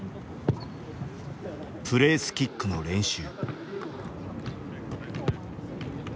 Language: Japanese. プレースキックの練習。